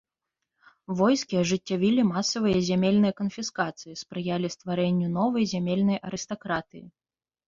Войскі ажыццявілі масавыя зямельныя канфіскацыі, спрыялі стварэнню новай зямельнай арыстакратыі.